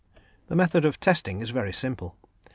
The method of testing is very simple.